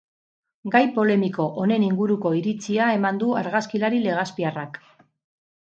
Gai polemiko honen inguruko iritzia eman du argazkilari legazpiarrak.